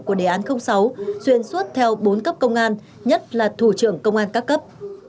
của đề án sáu xuyên suốt theo bốn cấp công an nhất là thủ trưởng công an các cấp